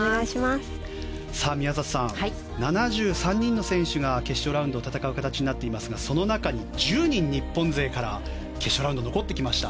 宮里さん、７３人の選手が決勝ラウンドを戦う形になっていますがその中に１０人日本勢から決勝ラウンド残ってきました。